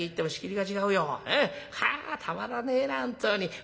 はぁたまらねえな本当に。